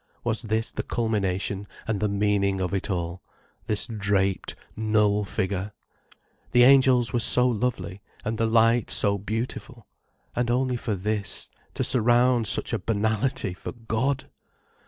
Was this the culmination and the meaning of it all, this draped, null figure? The angels were so lovely, and the light so beautiful. And only for this, to surround such a banality for God!